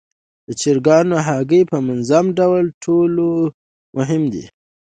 د چرګانو هګۍ په منظم ډول ټولول مهم دي.